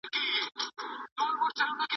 د کار پر وخت شخصي فکرونه مه کوئ.